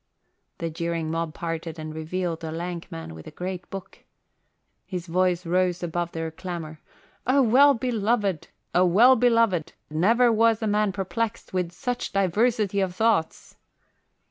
The jeering mob parted and revealed a lank man with a great book. His voice rose above their clamour, "O well beloved, O well beloved, never was a man perplexed with such diversity of thoughts!"